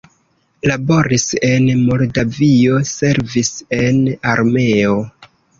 Laboris en Moldavio, servis en armeo.